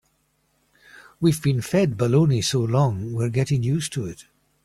We've been fed baloney so long we're getting used to it.